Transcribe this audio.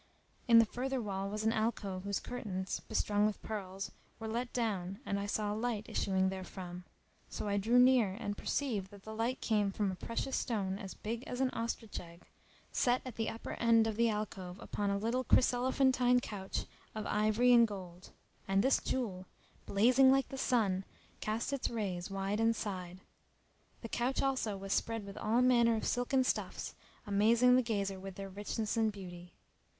In the further wall was an alcove whose curtains, bestrung with pearls, were let down and I saw a light issuing therefrom; so I drew near and perceived that the light came from a precious stone as big as an ostrich egg, set at the upper end of the alcove upon a little chryselephantine couch of ivory and gold; and this jewel, blazing like the sun, cast its rays wide and side. The couch also was spread with all manner of silken stuffs amazing the gazer with their richness and beauty.